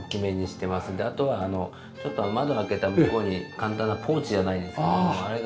あとはちょっと窓開けた向こうに簡単なポーチじゃないですけどあれが。